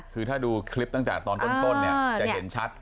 คือถ้าดูคลิปตั้งแต่ตอนต้นเนี่ยจะเห็นชัด